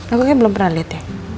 aku kayaknya belum pernah liat ya